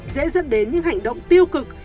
dễ dẫn đến những hành động tiêu cực